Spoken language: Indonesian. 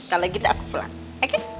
kalau gitu aku pulang